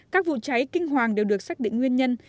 các vụ cháy kinh hoàng đều được xác định nguyên nhân